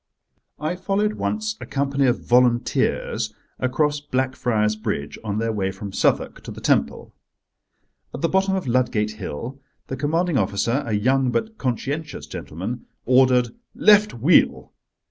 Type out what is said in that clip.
I followed once a company of Volunteers across Blackfriars Bridge on their way from Southwark to the Temple. At the bottom of Ludgate Hill the commanding officer, a young but conscientious gentleman, ordered "Left wheel!"